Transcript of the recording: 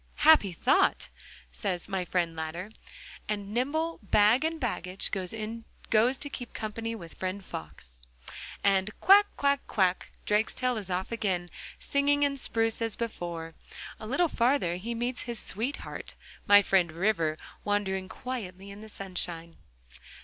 'Happy thought!' says my friend Ladder, and nimble, bag and baggage, goes to keep company with friend Fox. And 'Quack, quack, quack.' Drakestail is off again, singing and spruce as before. A little farther he meets his sweetheart, my friend River, wandering quietly in the sunshine.